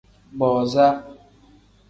Booza.